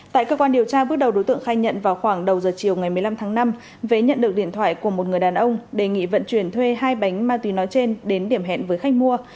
tại cơ quan điều tra bước đầu đối tượng khai nhận vào khoảng đầu giờ chiều ngày một mươi năm tháng năm vé nhận được điện thoại của một người đàn ông đề nghị vận chuyển thuê hai bánh ma túy nói trên đến điểm hẹn với khách mua